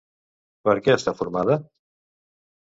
Per què està formada?